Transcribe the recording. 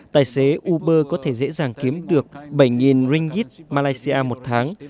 tài xế uber có thể dễ dàng kiếm được bảy ringgit malaysia một tháng